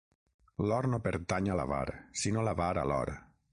L'or no pertany a l'avar, sinó l'avar a l'or.